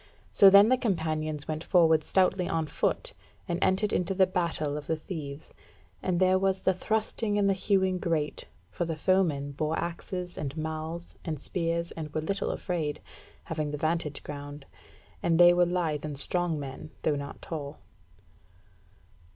So then the companions went forward stoutly on foot, and entered into the battle of the thieves, and there was the thrusting and the hewing great: for the foemen bore axes, and malls, and spears, and were little afraid, having the vantage ground; and they were lithe and strong men, though not tall.